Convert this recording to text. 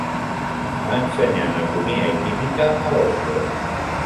Va ensenyar anatomia i química a Oxford.